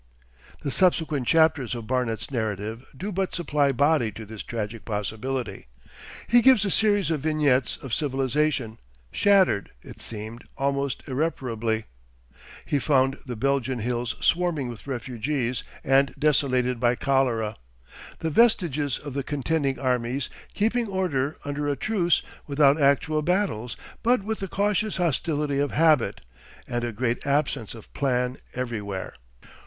The subsequent chapters of Barnet's narrative do but supply body to this tragic possibility. He gives a series of vignettes of civilisation, shattered, it seemed, almost irreparably. He found the Belgian hills swarming with refugees and desolated by cholera; the vestiges of the contending armies keeping order under a truce, without actual battles, but with the cautious hostility of habit, and a great absence of plan everywhere.